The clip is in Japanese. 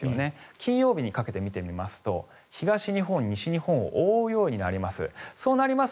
金曜日にかけて見てみますと東日本、西日本を覆うようになります。